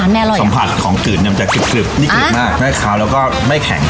ใครชอบสัมผัสของขืดเนี่ยมันจะขึบนี่ขืดมากไม่ขาวแล้วก็ไม่แข็ง